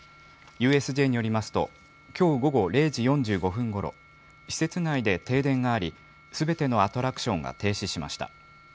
ＵＳＪによりますと、きょう午後０時４５分ごろ、施設内で停電があり、すべてのアトラクションが停止しました。